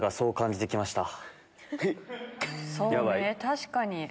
確かに。